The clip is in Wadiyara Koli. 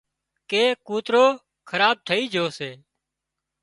ڪي ڪوتروخراب ٿئي جھو سي